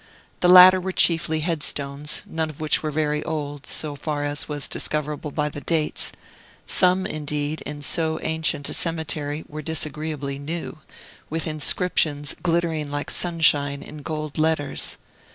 The latter were chiefly head stones, none of which were very old, so far as was discoverable by the dates; some, indeed, in so ancient a cemetery, were disagreeably new, with inscriptions glittering like sunshine in gold letters.